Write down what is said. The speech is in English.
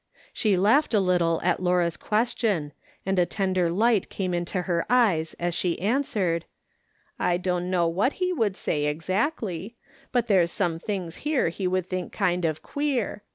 She laughed a little at Laura's question, and a tender light came into her eyes as she answered :" I dunno what he would say, exactly ; but there's some things here he would think kind of queer.